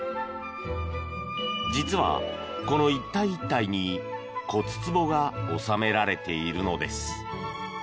実は、この１体１体に骨つぼが納められているのです。